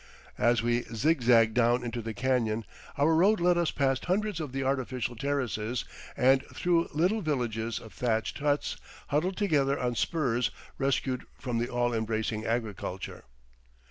As we zigzagged down into the canyon our road led us past hundreds of the artificial terraces and through little villages of thatched huts huddled together on spurs rescued from the all embracing agriculture.